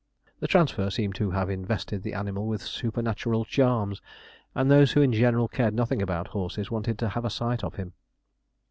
The transfer seemed to have invested the animal with supernatural charms, and those who in general cared nothing about horses wanted to have a sight of him.